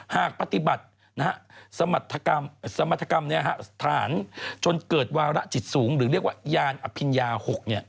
หากปฏิบัติสมรรถกรรมสถานจนเกิดวาระจิตสูงหรือเรียกว่ายานอภิญญา๖